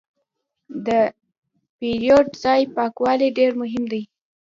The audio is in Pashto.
د پیرود ځای پاکوالی ډېر مهم دی.